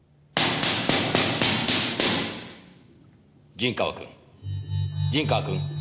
陣川君陣川君？